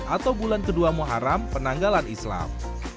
atau bulan kedua muharam penanggalan islam